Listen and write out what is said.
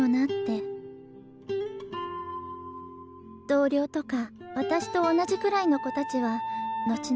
同僚とか私と同じくらいの子たちは後々のこと